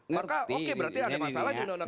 maka oke berarti ada masalah di undang undang